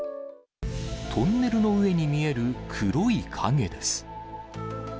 トンネルの上に見える黒い影です。